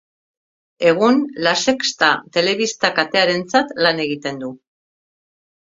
Egun La Sexta telebista-katearentzat lan egiten du.